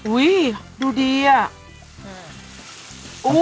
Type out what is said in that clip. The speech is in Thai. อุ้ยาวดูดีอะ